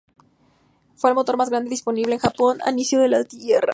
Fue el motor más grande disponible en Japón al inicio de la guerra.